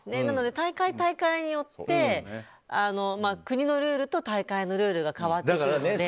なので大会によって国のルールと大会のルールが変わってくるので。